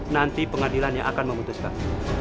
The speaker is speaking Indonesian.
nanti pengadilannya akan memutuskan